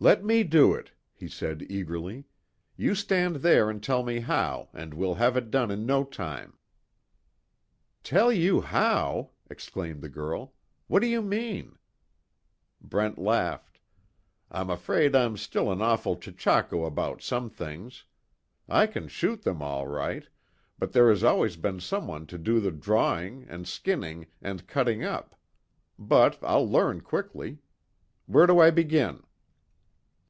"Let me do it," he said, eagerly, "You stand there and tell me how, and we'll have it done in no time." "Tell you how!" exclaimed the girl, "What do you mean?" Brent laughed: "I'm afraid I'm still an awful chechako about some things. I can shoot them, all right, but there has always been someone to do the drawing, and skinning, and cutting up. But, I'll learn quickly. Where do I begin?"